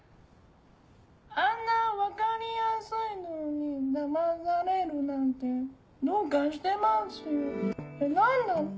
「あんな分かりやすいのにだまされるなんてどうかしてますよ何なの？